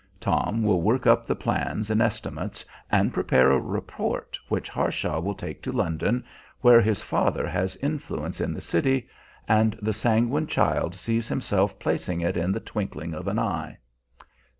Tom will work up the plans and estimates, and prepare a report, which Harshaw will take to London, where his father has influence in the City, and the sanguine child sees himself placing it in the twinkling of an eye.